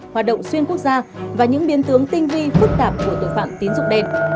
hoạt động xuyên quốc gia và những biến tướng tinh vi phức tạp của tội phạm tín dụng đen